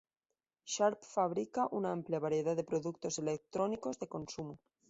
Sharp fabrica una amplia variedad de productos electrónicos de consumo.